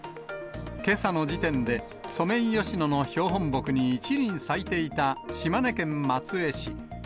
けさの時点で、ソメイヨシノの標本木に１輪咲いていた島根県松江市。